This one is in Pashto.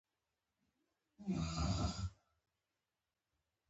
تا ته وایم، وهلکه! دا ټېغې ګډې وډې سترګې دې وخورې!